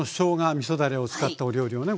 みそだれを使ったお料理をね